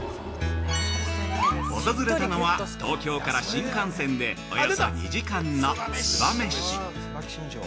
訪れたのは、東京から新幹線でおよそ２時間の「燕市」。